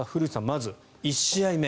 まず１試合目。